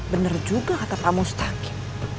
bener juga kata pak mustaqim